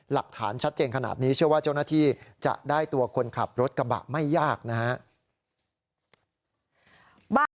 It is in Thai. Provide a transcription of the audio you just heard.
หลักฐานชัดเจนขนาดนี้เชื่อว่าเจ้าหน้าที่จะได้ตัวคนขับรถกระบะไม่ยากนะครับ